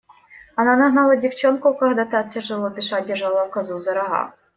Она нагнала девчонку, когда та, тяжело дыша, держала козу за рога.